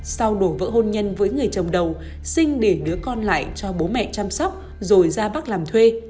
sau đổ vỡ hôn nhân với người chồng đầu sinh để đứa con lại cho bố mẹ chăm sóc rồi ra bắc làm thuê